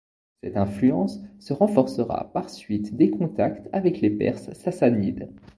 Cette influence se renforcera par suite des contacts avec les Perses Sassanides.